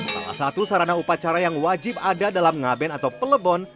salah satu sarana upacara yang wajib ada dalam ngaben atau pelebon